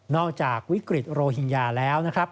จากวิกฤตโรฮิงญาแล้วนะครับ